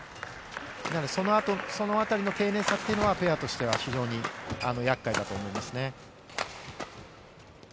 そのあたりの丁寧さというのはペアとしては非常に厄介だと思いますね。